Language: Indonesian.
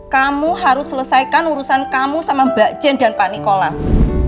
kamu harus selesaikan urusan kamu sama mbak jen dan pak nikolas